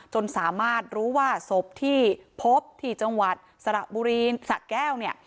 จนสามารถรู้ว่าศพที่พบที่จังหวัดสระบุรีสะแก้วเนี่ย